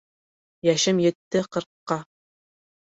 Йәшем етте ҡырҡҡа